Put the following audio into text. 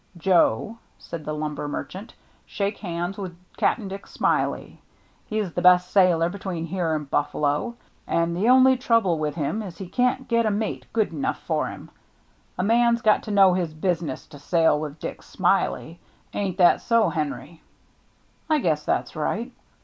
"Joe," said the lumber merchant, "shake hands with Cap'n Dick Smiley. He's the 58 THE MERRY JNNE best sailor between here and Buffalo, and the only trouble with him is we can't get a mate good enough for him. A man's got to know his business to sail with Dick Smiley. Ain't that so, Henry?" " I guess that's right."